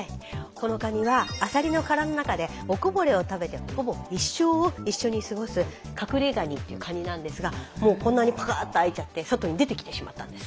このカニはアサリの殻の中でおこぼれを食べてほぼ一生を一緒に過ごすカクレガニっていうカニなんですがもうこんなにパカーッと開いちゃって外に出てきてしまったんです。